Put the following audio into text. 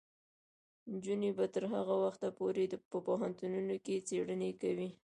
نجونې به تر هغه وخته پورې په پوهنتونونو کې څیړنې کوي.